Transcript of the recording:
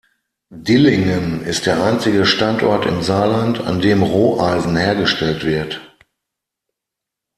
Dillingen ist der einzige Standort im Saarland, an dem Roheisen hergestellt wird.